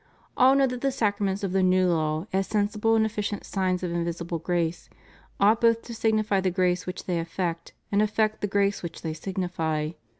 All know that the sacraments of the New Law, as sensible and efficient signs of invisible grace, ought both to signify the grace which they effect, and effect the grace which they signify.